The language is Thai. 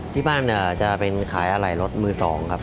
ที่บ้านจะเป็นขายอะไหล่รถมือ๒ครับ